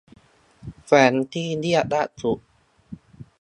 แฟ้มที่เรียกล่าสุด